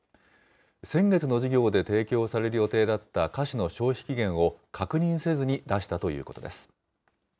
先月の授業で提供される予定だった菓子の消費期限を確認せずに出したということです。